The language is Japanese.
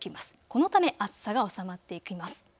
このため暑さが収まっていきます。